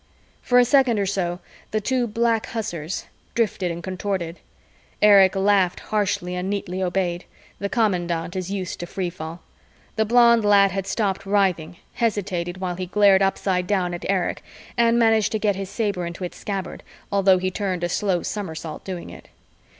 For a second or so, the two black hussars drifted and contorted. Erich laughed harshly and neatly obeyed the commandant is used to free fall. The blond lad stopped writhing, hesitated while he glared upside down at Erich and managed to get his saber into its scabbard, although he turned a slow somersault doing it.